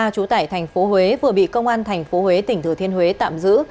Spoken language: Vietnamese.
trú tải thành phố huế vừa bị công an thành phố huế tỉnh thừa thiên huế tạm giữ